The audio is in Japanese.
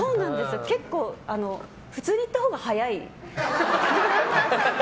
結構、普通に言ったほうが早い。